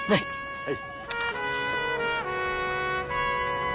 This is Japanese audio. はい。